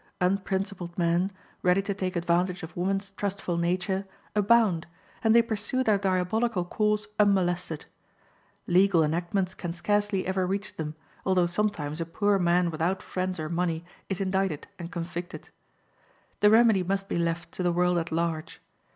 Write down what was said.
Unprincipled men, ready to take advantage of woman's trustful nature, abound, and they pursue their diabolical course unmolested. Legal enactments can scarcely ever reach them, although sometimes a poor man without friends or money is indicted and convicted. The remedy must be left to the world at large.